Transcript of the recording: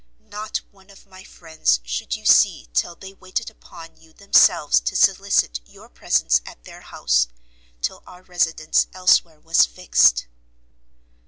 Not one of my friends should you see till they waited upon you themselves to solicit your presence at their house, till our residence elsewhere was fixed.